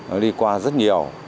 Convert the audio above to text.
nó đi qua rất nhiều